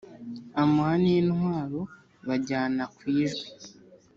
amuha n’intwaro bajyana ku ijwi